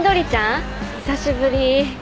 久しぶり。